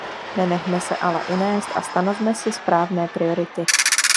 Nenechme se ale unést a stanovme si správné priority.